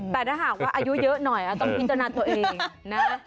แต่ถ้าหากว่าอายุเยอะหน่อยต้องพิจารณาตัวเองนะ